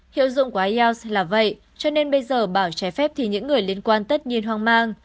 hiệu dụng của ielts là vậy cho nên bây giờ bảo trái phép thì những người liên quan tất nhiên hoang mang